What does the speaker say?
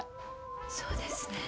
そうですね。